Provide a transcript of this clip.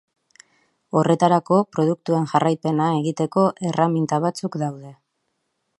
Horretarako, produktuen jarraipena egiteko erreminta batzuk daude.